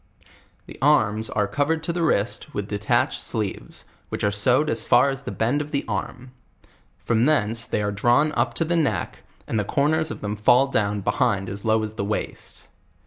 The arms are covered to the wrist with de tatched sleeves, which are sewed as far as the bend of the arm; from tiseiice they are drawn up to the neck, and the cor ners of them fall duwa behind as low as the waist.